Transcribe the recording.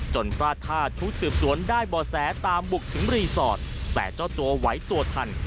พลาดท่าชุดสืบสวนได้บ่อแสตามบุกถึงรีสอร์ทแต่เจ้าตัวไหวตัวทัน